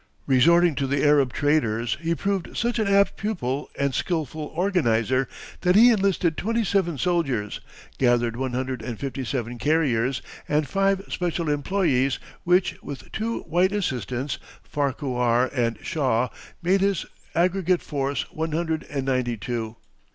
Resorting to the Arab traders he proved such an apt pupil and skilful organizer that he enlisted twenty seven soldiers, gathered one hundred and fifty seven carriers and five special employees, which, with two white assistants, Farquhar and Shaw, made his aggregate force one hundred and ninety two.